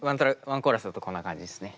ワンコーラスだとこんな感じですね。